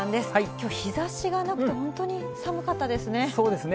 きょう、日ざしがなくて本当寒かったですね。